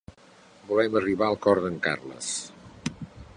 Volem arribar al cor d'en Carles.